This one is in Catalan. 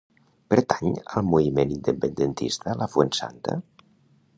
Pertany al moviment independentista la Fuensanta?